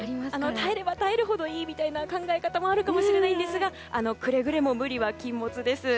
耐えれば耐えるほどいいという考え方もあるかもしれませんがくれぐれも無理は禁物です。